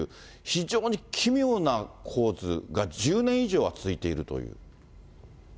非常に奇妙な構図が１０年以上は続いているという。